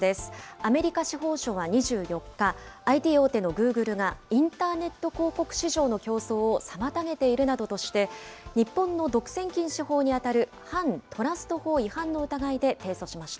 アメリカ司法省は２４日、ＩＴ大手のグーグルがインターネット広告市場の競争を妨げているなどとして、日本の独占禁止法に当たる反トラスト法違反の疑いで提訴しました。